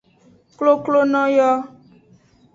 Koklono yo.